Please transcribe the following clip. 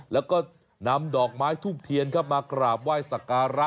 แล้วก็นำดอกไม้ทูบเทียนครับมากราบไหว้สักการะ